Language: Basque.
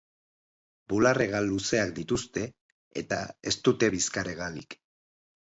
Bular-hegal luzeak dituzte eta ez dute bizkar-hegalik.